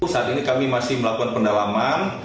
saat ini kami masih melakukan pendalaman